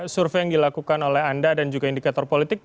survei yang dilakukan oleh anda dan juga indikator politik